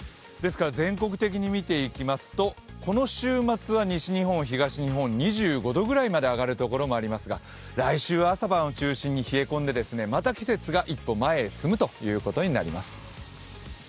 全国的に見ていきますとこの週末は西日本、東日本、２５度ぐらいまで上がる所もありますが、来週は、朝晩を中心に冷え込んでまた季節が一歩前へ進むということになります。